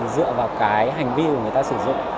dựa vào cái hành vi của người ta sử dụng